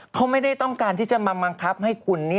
เขาไม่ได้ต้องการที่จะมาบังคับให้คุณ